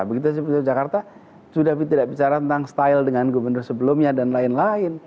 begitu seperti jakarta sudah tidak bicara tentang style dengan gubernur sebelumnya dan lain lain